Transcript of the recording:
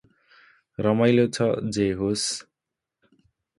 रमाइलो छ जे होस्।